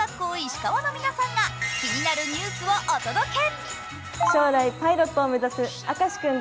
石川の皆さんが気になるニュースをお届け。